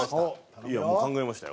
いやもう考えましたよ。